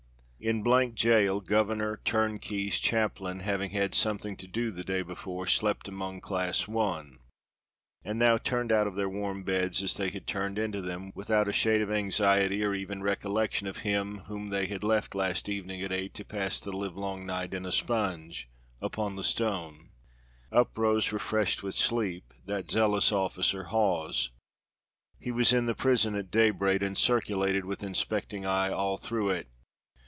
In Jail, governor, turnkeys, chaplain, having had something to do the day before, slept among Class 1, and now turned out of their warm beds as they had turned into them, without a shade of anxiety or even recollection of him whom they had left last evening at eight to pass the livelong night in a sponge upon a stone. Up rose refreshed with sleep that zealous officer, Hawes. He was in the prison at daybreak, and circulated with inspecting eye all through it.